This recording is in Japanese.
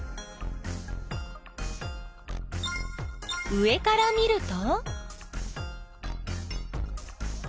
上から見ると？